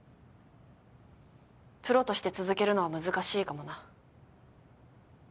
プロとして続けるのは難しいかもな。